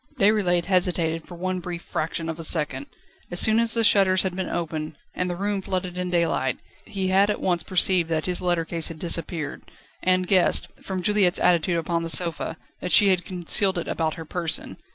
Déroulède hesitated for one brief fraction of a second. As soon as the shutters had been opened, and the room flooded in daylight, he had at once perceived that his letter case had disappeared, and guessed, from Juliette's attitude upon the sofa, that she had concealed it about her person.